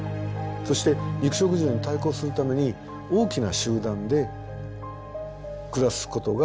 そして肉食獣に対抗するために大きな集団で暮らすことが必要になったんですね。